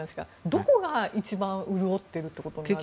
どこが一番潤ってることになるんですか？